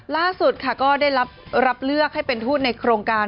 ล่าสุดค่ะก็ได้รับเลือกให้เป็นทูตในโครงการ